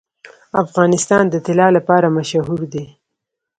افغانستان د طلا لپاره مشهور دی.